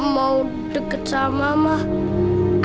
mau deket sama mama